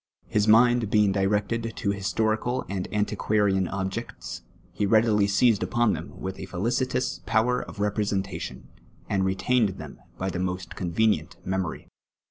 His mind bein«^ directed to historical and anticpiarian objects, he readily seized upon them with a felicitous power of representation, and retained them bv the most convenient memory